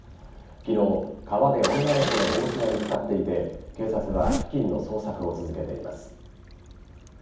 昨日、川で女の子の帽子が見つかっていて警察は付近の捜索を続けています。